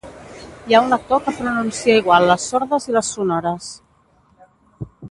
Hi ha un lector que pronuncia igual les sordes i les sonores